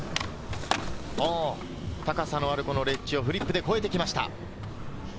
高さのあるレッジをフリップで越えてきました。